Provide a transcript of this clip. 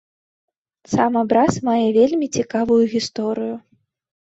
Сам абраз мае вельмі цікавую гісторыю.